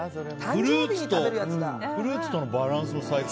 フルーツとのバランスも最高。